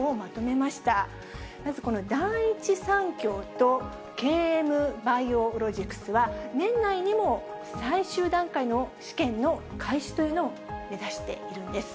まずこの第一三共とＫＭバイオロジクスは、年内にも最終段階の試験の開始というのを目指しているんです。